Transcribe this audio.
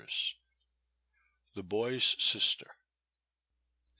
THE BOY'S SISTER.